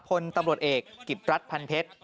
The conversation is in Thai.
พลตำรวจเอกกิจรัฐพันเพชร